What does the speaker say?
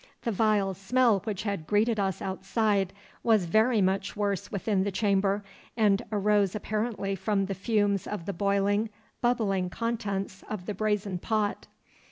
The vile smell which had greeted us outside was very much worse within the chamber, and arose apparently from the fumes of the boiling, bubbling contents of the brazen pot.